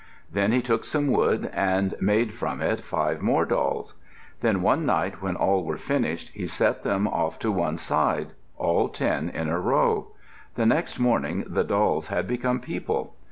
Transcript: Then he took some wood and made from it five more dolls. Then, one night, when all were finished, he set them off to one side, all ten in a row. The next morning the dolls had become people.